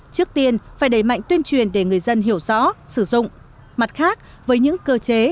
trước tiên phải đẩy mạnh tuyên truyền để người dân hiểu rõ sử dụng mặt khác với những cơ chế